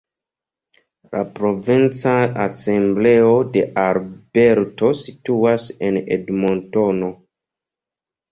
La provinca asembleo de Alberto situas en Edmontono.